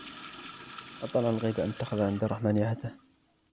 أَطَّلَعَ الْغَيْبَ أَمِ اتَّخَذَ عِنْدَ الرَّحْمَنِ عَهْدًا